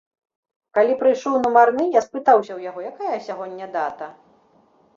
Калі прыйшоў нумарны, я спытаўся ў яго, якая сягоння дата?